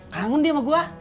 kangen dia sama gue